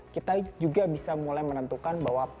kita juga bisa mulai menentukan bahwa